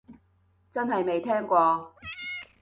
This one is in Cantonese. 真係未聽過